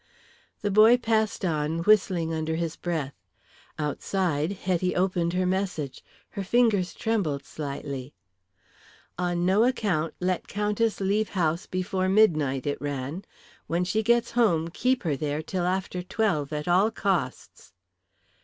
The boy passed on whistling under his breath. Outside Hetty opened her message. Her fingers trembled slightly. "On no account let Countess leave house before midnight," it ran. "When she gets home keep her there till after twelve, at all costs."